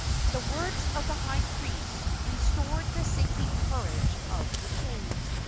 The words of the high priest restored the sinking courage of the king.